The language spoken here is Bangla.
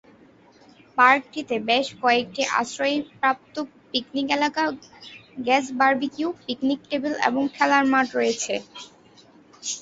পার্কটিতে বেশ কয়েকটি আশ্রয়প্রাপ্ত পিকনিক এলাকা, গ্যাস বারবিকিউ, পিকনিক টেবিল এবং খেলার মাঠ রয়েছে।